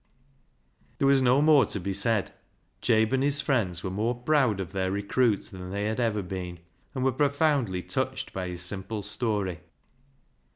There was no more to be said. Jabe and his friends were more proud of their recruit than they had ever been, and were profoundly touched by his simple story.